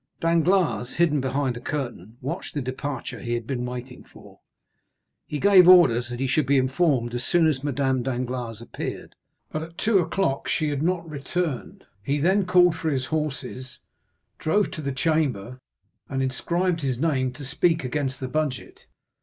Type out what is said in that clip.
Danglars, hidden behind a curtain, watched the departure he had been waiting for. He gave orders that he should be informed as soon as Madame Danglars appeared; but at two o'clock she had not returned. He then called for his horses, drove to the Chamber, and inscribed his name to speak against the budget.